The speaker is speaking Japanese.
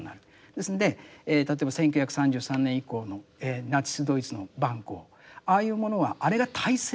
ですんで例えば１９３３年以降のナチス・ドイツの蛮行ああいうものはあれが体制だったわけですよね。